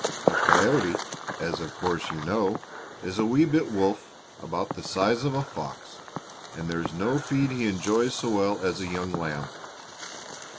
"A coyote, as of course you know, is a wee bit wolf, about the size of a fox, and there is no feed he enjoys so well as a young lamb.